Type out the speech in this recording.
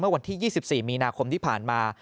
วันที่๒๔มีนาคมที่ผ่านมา